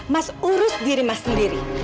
mas urus diri mas sendiri